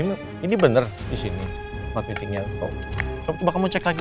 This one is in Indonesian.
ini ini bener disini maksudnya kamu cek lagi